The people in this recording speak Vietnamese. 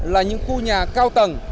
là những khu nhà cao tầng